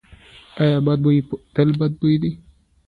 ایا بد بوی تل بد دی؟